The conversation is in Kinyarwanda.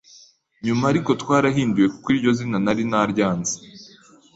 Nyuma ariko twarahinduye, kuko iryo zina nari naryanze,